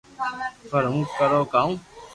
پر ھون ڪرو ڪاو